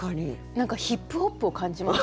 何かヒップホップを感じます。